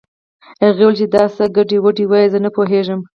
هغې وويل چې دا څه ګډې وډې وايې زه نه پوهېږم